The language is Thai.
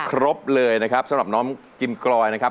ครบเลยนะครับสำหรับน้องกิมกรอยนะครับ